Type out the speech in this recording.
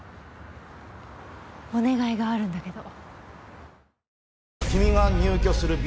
お願いがあるんだけど。